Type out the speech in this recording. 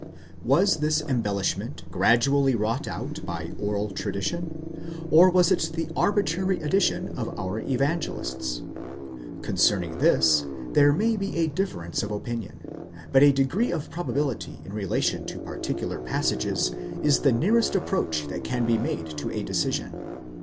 Was this embellishment gradually wrought out by oral tradition, or was it the arbitrary addition of our Evangelists? Concerning this, there may be a difference of opinion, and a degree of probability in relation to particular passages is the nearest approach | that can be made to a decision.